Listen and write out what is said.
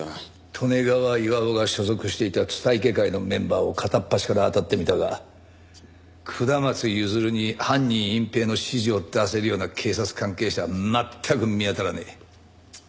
利根川巌が所属していた蔦池会のメンバーを片っ端からあたってみたが下松譲に犯人隠蔽の指示を出せるような警察関係者は全く見当たらねえ。